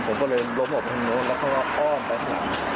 ผมก็เลยล้มออกทางนู้นแล้วเขาก็อ้อมไปข้างหลัง